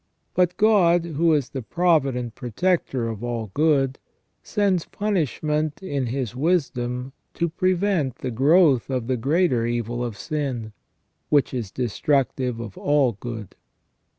But God, who is the provident protector of all good, sends punishment in His wisdom to prevent the growth of the greater evil of sin, which is destructive of all good.